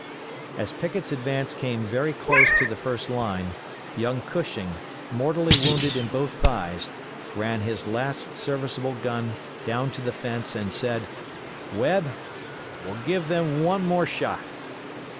As Pickett's advance came very close to the first line, young Cushing, mortally wounded in both thighs, ran his last serviceable gun down to the fence, and said: _"Webb, I will give them one more shot!"